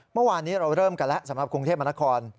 เมื่อวานนี้เราเริ่มกันแล้วสำหรับกรุงเทพมนคร